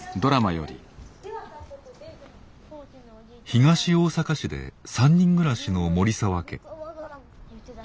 東大阪市で３人暮らしの森澤家。